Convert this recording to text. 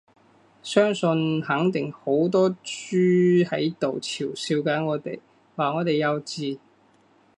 相信肯定好多豬喺度嘲笑緊我哋，話我哋幼稚